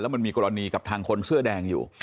มันมีกรณีกับทางคนเสื้อแดงอยู่